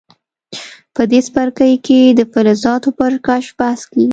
په دې څپرکي کې د فلزاتو پر کشف بحث کیږي.